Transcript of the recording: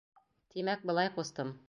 Тимәк, былай, ҡустым.